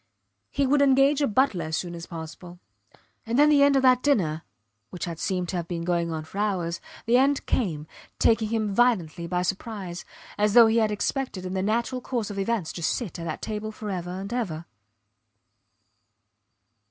... He would engage a butler as soon as possible. And then the end of that dinner which had seemed to have been going on for hours the end came, taking him violently by surprise, as though he had expected in the natural course of events to sit at that table for ever and ever.